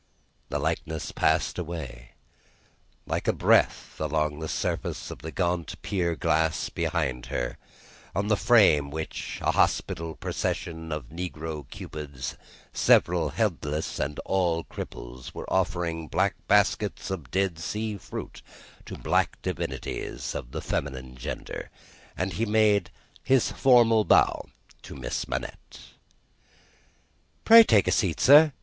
The likeness passed away, like a breath along the surface of the gaunt pier glass behind her, on the frame of which, a hospital procession of negro cupids, several headless and all cripples, were offering black baskets of Dead Sea fruit to black divinities of the feminine gender and he made his formal bow to Miss Manette. "Pray take a seat, sir."